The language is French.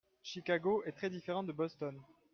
Chicago est très différent de Boston.